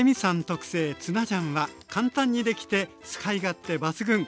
特製ツナジャンは簡単にできて使い勝手抜群！